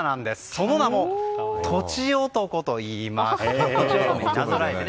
その名もとちおとこといいます。